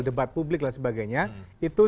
debat publik dan sebagainya itu